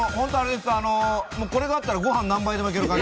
これがあったら、ご飯何杯でも行ける感じ。